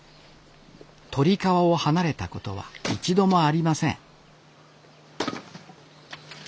鳥川を離れたことは一度もありません